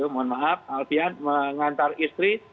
mohon maaf alfian mengantar istri